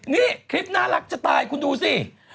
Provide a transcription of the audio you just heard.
นี่คลิปน่ารักจะตายคุณดูสิ